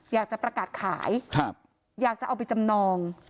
อยากจะประกาศขายอยากจะเอาไปจำนอง